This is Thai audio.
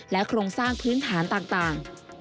โครงสร้างพื้นฐานต่าง